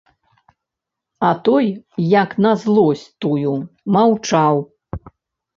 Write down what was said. А той як на злосць тую маўчаў.